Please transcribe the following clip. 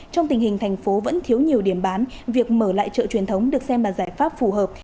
trong tình hình thành phố vẫn thiếu nhiều điểm bán việc mở lại chợ truyền thống được xem là giải pháp phù hợp